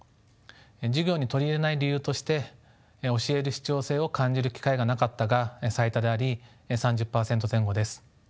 授業に取り入れない理由として「教える必要性を感じる機会がなかった」が最多であり３０％前後です。